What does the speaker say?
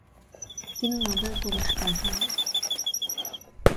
তিনি নোবেল পুরস্কার পান।